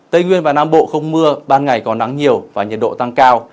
tây nguyên và nam bộ không mưa ban ngày có nắng nhiều và nhiệt độ tăng cao